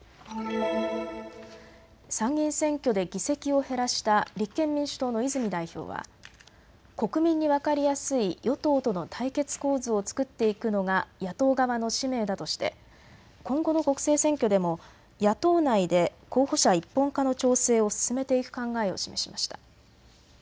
参議院選挙で議席を減らした立憲民主党の泉代表は国民に分かりやすい与党との対決構図を作っていくのが野党側の使命だとして今後の国政選挙でも野党内で候補者一本化の調整を進めていく考えを示しました。